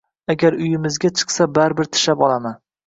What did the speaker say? Agar uyimizga chiqsa, baribir tishlab olaman